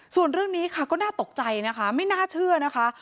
ส่วนเรื่องนี้ค่ะก็น่าตกใจนะคะไม่น่าเชื่อนะคะ